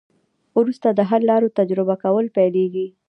وروسته د حل لارو تجربه کول پیلیږي.